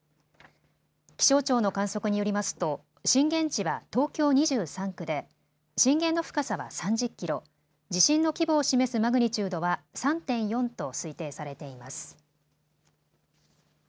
気象庁の観測によりますと震源地は東京２３区で震源の深さは３０キロ、地震の規模を示すマグニチュードは３．４と推定されています。